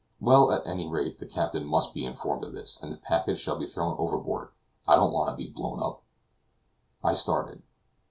"Well, at any rate, the captain must be informed of this, and the package shall be thrown overboard. I don't want to be blown up." I started.